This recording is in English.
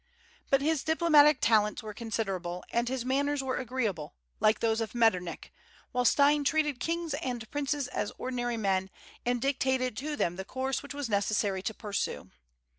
But his diplomatic talents were considerable, and his manners were agreeable, like those of Metternich, while Stein treated kings and princes as ordinary men, and dictated to them the course which was necessary to pursue.